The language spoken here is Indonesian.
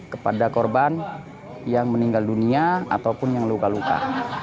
kepada korban yang meninggal dunia ataupun yang luka luka